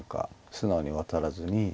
素直にワタらずに。